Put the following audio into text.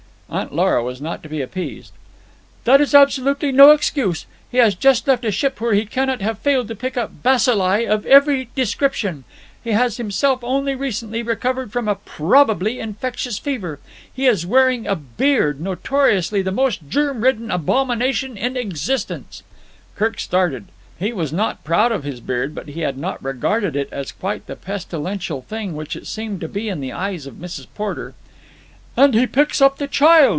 Aunt Lora was not to be appeased. "That is absolutely no excuse. He has just left a ship where he cannot have failed to pick up bacilli of every description. He has himself only recently recovered from a probably infectious fever. He is wearing a beard, notoriously the most germ ridden abomination in existence." Kirk started. He was not proud of his beard, but he had not regarded it as quite the pestilential thing which it seemed to be in the eyes of Mrs. Porter. "And he picks up the child!"